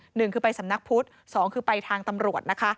หนึ่งคือไปสำนักพุทธสองคือไปทางตำรวจนะคะ